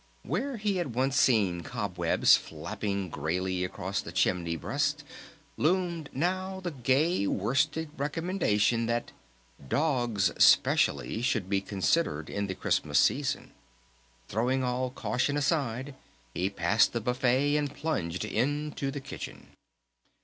Where he had once seen cobwebs flapping grayly across the chimney breast loomed now the gay worsted recommendation that dogs specially, should be considered in the Christmas Season. Throwing all caution aside he passed the buffet and plunged into the kitchen.